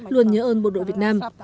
luôn nhớ ơn bộ đội việt nam